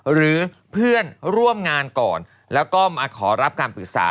หรือเพื่อนร่วมงานก่อนแล้วก็มาขอรับการปรึกษา